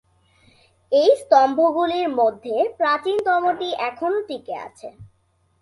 এই স্তম্ভগুলির মধ্যে প্রাচীনতমটি এখনও টিকে আছে।